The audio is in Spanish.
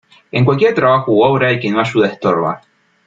En cualquier trabajo u obra, el que no ayuda estorba.